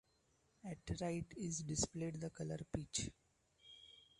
At right is displayed the color peach.